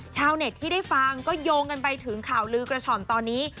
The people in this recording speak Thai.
ชาวเน็ตที่ได้ฟังก็โยงกันไปถึงข่าวลือกระฉ่อนตอนนี้